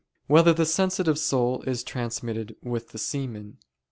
1] Whether the Sensitive Soul Is Transmitted with the Semen?